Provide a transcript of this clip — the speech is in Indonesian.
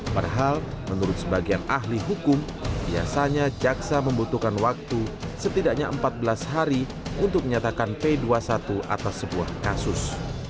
padahal menurut sebagian ahli hukum biasanya jaksa membutuhkan waktu setidaknya empat belas hari untuk menyatakan p dua puluh satu atas sebuah kasus